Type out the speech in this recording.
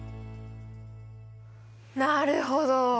なるほど！